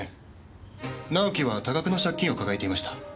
直樹は多額の借金を抱えていました。